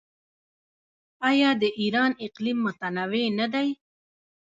آیا د ایران اقلیم متنوع نه دی؟